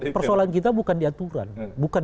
persoalan kita bukan diaturan bukan